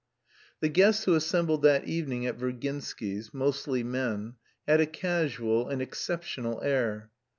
The guests who assembled that evening at Virginsky's (mostly men) had a casual and exceptional air.